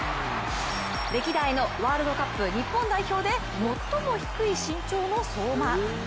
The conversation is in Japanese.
歴代のワールドカップ日本代表で最も低い身長の相馬。